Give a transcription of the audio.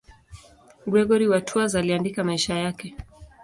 Gregori wa Tours aliandika maisha yake.